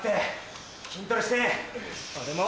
俺も。